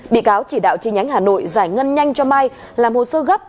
bị cáo chỉ đạo chi nhánh hà nội giải ngân nhanh cho mai làm hồ sơ gấp